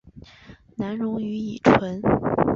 难溶于乙醇。